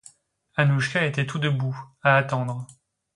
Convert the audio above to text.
Annouchka était tout debout, à attendre.